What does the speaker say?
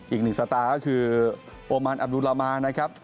อีกหนึ่งสตาร์ก็คือโอมานอับดุลามานะครับ